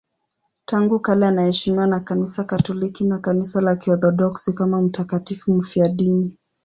Tangu kale anaheshimiwa na Kanisa Katoliki na Kanisa la Kiorthodoksi kama mtakatifu mfiadini.